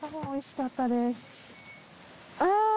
おいしかったー。